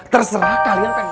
terserah kalian pengen